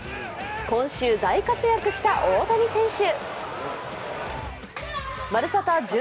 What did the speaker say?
今週大活躍した大谷選手。